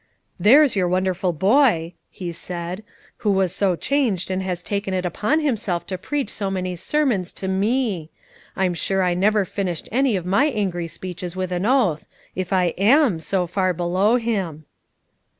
"There's your wonderful boy," he said, "who was so changed, and has taken it upon himself to preach so many sermons to me. I'm sure I never finished any of my angry speeches with an oath, if I am so far below him."